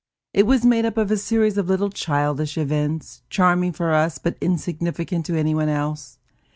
It was made up of a series of little childish events, charming for us but insignificant to anyone else.